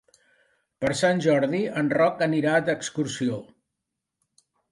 Per Sant Jordi en Roc anirà d'excursió.